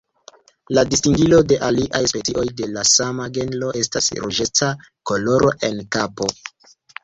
La distingilo de aliaj specioj de la sama genro estas ruĝeca koloro en kapo.